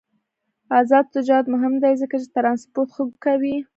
آزاد تجارت مهم دی ځکه چې ترانسپورت ښه کوي.